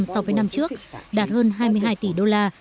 so với năm trước đạt hơn hai mươi hai tỷ đô la